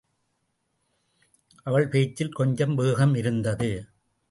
அவள் பேச்சில் கொஞ்சம் வேகம் இருந்தது.